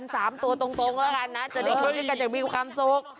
๓ตัวตรงเพราะฉะนั้นนะจะได้คุยกันอย่างมีความสุข